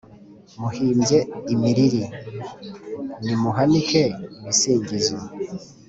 muhimbye imiriri: nimuhanike ibisingizo